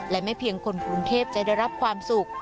และไม่เพียงคนกรุงเทพจะได้รับความสุข